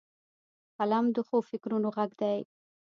قلم د ښو فکرونو غږ دی